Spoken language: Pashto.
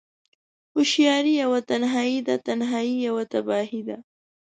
هوشیاری یوه تنهایی ده، تنهایی یوه تباهی ده